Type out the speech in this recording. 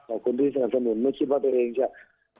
ขอบคุณที่สนับสนุนไม่คิดว่าเบาเองจะมีโอกาส